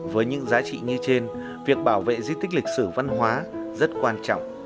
với những giá trị như trên việc bảo vệ di tích lịch sử văn hóa rất quan trọng